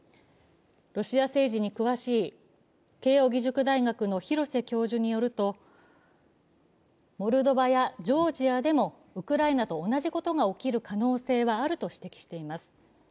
ロシア政治に詳しい慶応義塾大学の廣瀬教授によるとモルドバやジョージアでもウクライナと同じことが起きる可能性はあると指摘しています。